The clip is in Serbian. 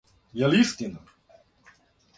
Је л истина.